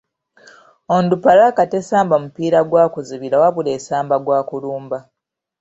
Onduparaka tesamba mupiira gwa kuzibira wabula esamba gwa kulumba.